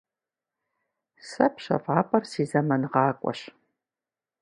Сэ пщэфӏапӏэр си зэмангъакӏуэщ.